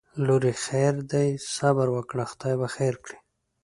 لورې خیر دی صبر وکړه خدای به خیر کړي